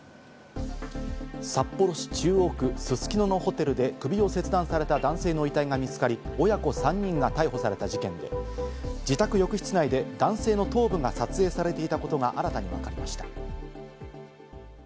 札幌市中央区すすきののホテルで首を切断された男性の遺体が見つかり、親子３人が逮捕された事件で、自宅浴室内で男性の頭部が撮影されていたことが新たにわかりました。